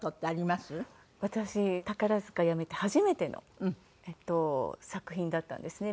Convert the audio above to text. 私宝塚やめて初めての作品だったんですね。